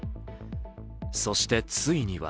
そして、ついには